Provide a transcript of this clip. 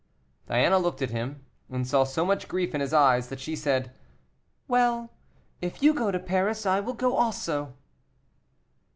Diana looked at him, and saw so much grief in his eyes, that she said, "Well, if you go to Paris, I will go also."